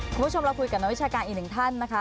คุณผู้ชมเราพูดกับนักวิชาการอีนึงค่ะ